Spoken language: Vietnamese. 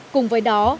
cùng với đó